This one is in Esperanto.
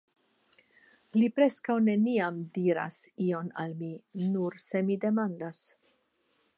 Li preskaŭ neniam diras ion al mi ., nur se mi demandas.